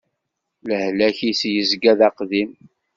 Lehlak-is yezga d aqdim.